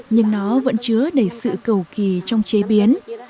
nhưng nó vẫn chứa đầy sự cầu kỳ trong chế biến